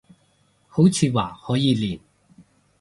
好似話可以練